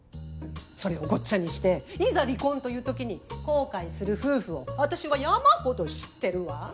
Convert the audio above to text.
それをごっちゃにしていざ離婚というときに後悔する夫婦を私は山ほど知ってるわ。